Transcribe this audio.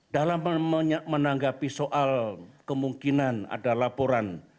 dalam menanggapi soal kemungkinan ada laporan